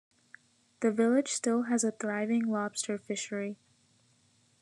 The village still has a thriving lobster fishery.